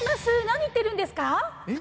何言ってるんですか？